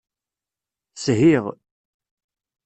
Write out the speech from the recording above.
Shiɣ.